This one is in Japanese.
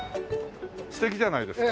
素敵じゃないですか。